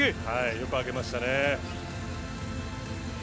よく上げましたね。